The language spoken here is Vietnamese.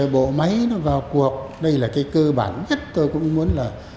bộ máy nó vào cuộc đây là cái cơ bản nhất tôi cũng muốn là